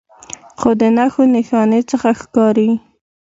خو د نښو نښانو څخه ښکارې